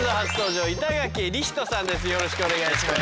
よろしくお願いします。